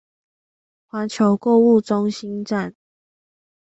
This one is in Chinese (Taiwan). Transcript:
環球購物中心站